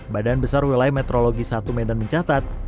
badan besar wilayah meteorologi satu medan mencatat